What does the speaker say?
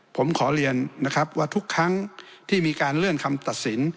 ผมขอเรียนนะครับว่าทุกครั้งที่มีการเลื่อนคำตัดสิน